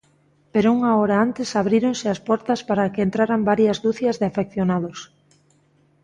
Pero unha hora antes abríronse as portas para que entraran varias ducias de afeccionados.